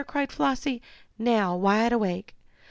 cried Flossie, now wide awake.